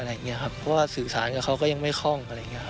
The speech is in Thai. เพราะว่าสื่อสารกับเขาก็ยังไม่ค่อง